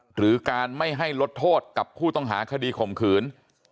หรือการไม่ให้ลดโทษกับผู้ต้องหาคดีข่มขืน